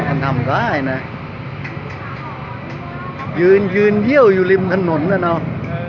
มันทำได้นะยืนยืนเยี่ยวอยู่ริมถนนน่ะเนอะ